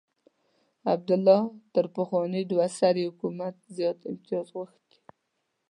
عبدالله تر پخواني دوه سري حکومت زیات امتیازات غوښتي.